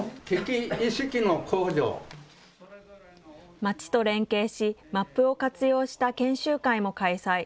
町と連携し、マップを活用した研修会も開催。